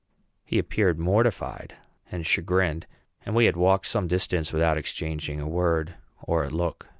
He appeared mortified and chagrined; and we had walked some distance without exchanging a word or a look.